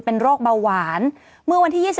เป็นโรคเบาหวานเมื่อวันที่๒๒